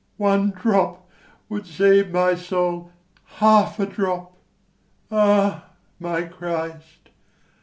One drop would save my soul, half a drop: ah, my Christ!